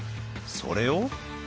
それを